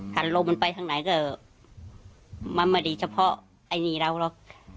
แต่ลมมันไปทางไหนก็มาดีเฉพาะไอ้นี่แล้วละ